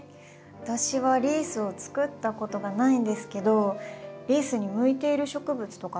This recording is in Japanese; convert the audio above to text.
私はリースを作ったことがないんですけどリースに向いている植物とかってあるんですか？